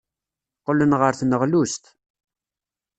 Qqlen ɣer tneɣlust.